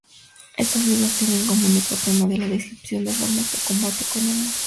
Estos libros tenían como único tema la descripción de formas de combate con armas.